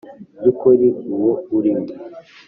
by'ukuri uwo uri we!